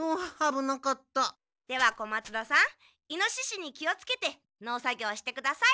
では小松田さんイノシシに気をつけて農作業してください。